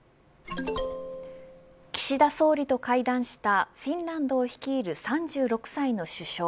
岸田総理と会談したフィンランドを率いる３６歳の首相